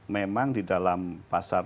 memang di dalam pasar